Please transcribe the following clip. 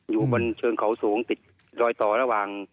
อยู่บนเชิงเขาสูงติดรอยต่อระหว่าง